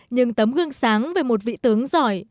nhưng tấm gương sáng về một vị tướng giỏi